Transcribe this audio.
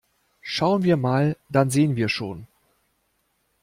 Schauen wir mal, dann sehen wir schon!